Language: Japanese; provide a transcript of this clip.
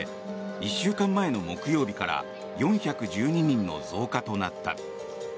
１週間前の木曜日から４１２人の増加となった。